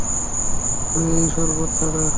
শুধু এই সরবত ছাড়া।